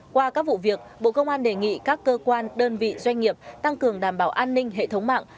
qua các vụ việc bộ công an đề nghị các cơ quan đơn vị doanh nghiệp tăng cường đảm bảo an ninh hệ thống mạng